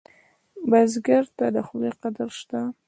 بزګر ته د خولې قدر شته